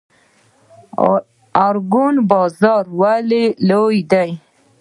ارګون بازار ولې لوی دی؟